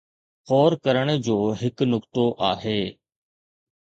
غور ڪرڻ جو هڪ نقطو آهي.